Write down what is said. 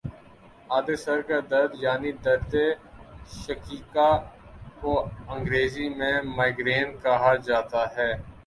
آدھے سر کا درد یعنی دردِ شقیقہ کو انگریزی میں مائیگرین کہا جاتا ہے